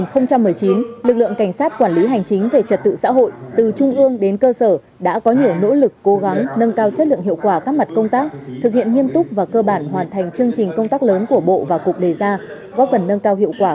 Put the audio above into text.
năm hai nghìn một mươi chín lực lượng cảnh sát quản lý hành chính về trật tự xã hội từ trung ương đến cơ sở đã có nhiều nỗ lực cố gắng nâng cao chất lượng hiệu quả các mặt công tác thực hiện nghiêm túc và cơ bản hoàn thành chương trình công tác lớn của bộ và cục đề ra góp phần nâng cao hiệu quả